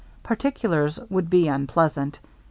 Particulars would be unpleasant.